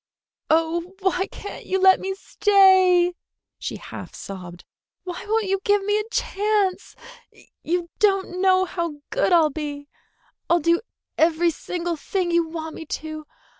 "Oh, why can't you let me stay!" she half sobbed. "Why won't you give me a chance? You don't know how good I'll be! I'll do every single thing you want me to.